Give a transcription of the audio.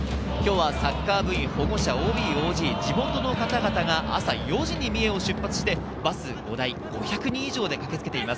今日はサッカー部員、保護者、ＯＢ、ＯＧ、地元の方々が朝４時に三重を出発してバス５台、５００人以上で駆けつけています。